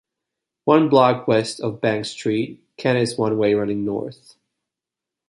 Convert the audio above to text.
One block west of Bank Street, Kent is one way running north.